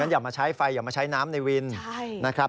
อย่ามาใช้ไฟอย่ามาใช้น้ำในวินนะครับ